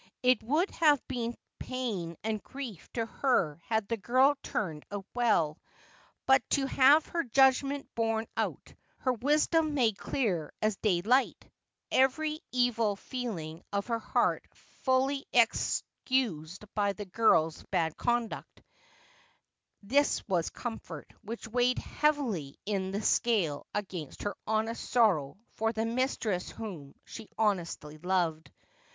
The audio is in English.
It would have been pain and grief to her had the girl turned out well ; but to have her judgment borne out, her wisdom made clear as day light, every evil feeling of her heart fully excused by the girl's bad conduct, this was comfort which weighed heavily in the scale against her honest sorrow for the mistress whom she honestly loved.